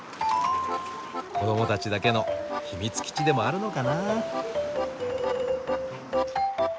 子どもたちだけの秘密基地でもあるのかな。